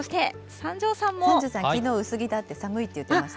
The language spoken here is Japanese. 三條さん、きのう薄着で寒いって言ってました。